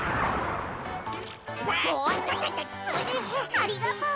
ありがとう。